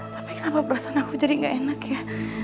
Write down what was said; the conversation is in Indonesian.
tapi kenapa perasaan aku jadi gak enak ya